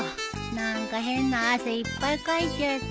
何か変な汗いっぱいかいちゃった。